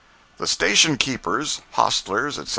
The station keepers, hostlers, etc.